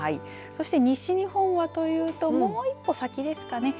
そして西日本はというともう一歩先ですかね。